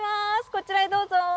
こちらへどうぞ。